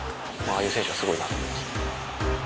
ああいう選手はすごいなと思います。